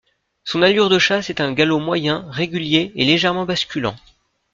Son allure de chasse est un galop moyen, régulier et légèrement basculant.